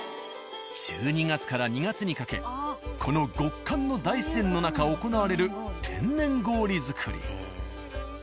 １２月から２月にかけこの極寒の大自然の中行われる天然氷作り。